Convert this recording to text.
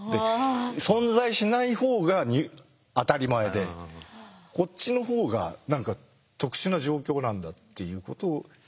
存在しないほうが当たり前でこっちのほうが何か特殊な状況なんだっていうことを。